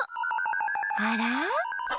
あら？